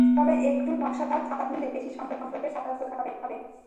তবে একটু নকশাদার ছাতা কিনতে চাইলে বেশি সংগ্রহের ছাতার দোকানে যেতে হবে।